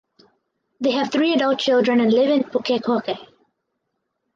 They have three adult children and live in Pukekohe.